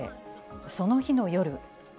その日の夜。